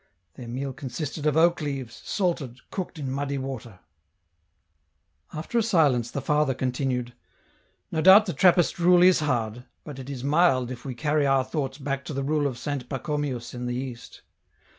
Their meal consisted of oak leaves, salted, cooked in muddy water." 176 EN ROUTE. And after a silence the Father continued :" No doubt the Trappist rule is hard, but it is mild if we carry our thoughts back to the rule of Saint Pacomius in the East.